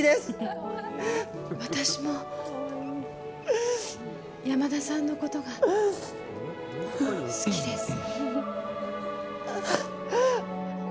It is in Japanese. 私も山田さんのことが好きです。